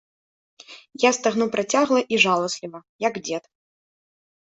Я стагну працягла і жаласліва, як дзед.